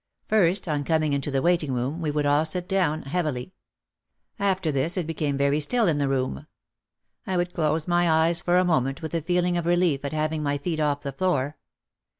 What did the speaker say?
First, on coming into the waiting room, we would all sit down, heavily. After this it be came very still in the room. I would close my eyes for a moment with a feeling of relief at having my feet off the floor.